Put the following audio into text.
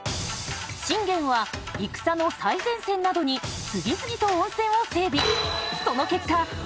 信玄は戦の最前線などに次々と温泉を整備。